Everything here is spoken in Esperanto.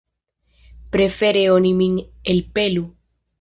Prefere oni min elpelu.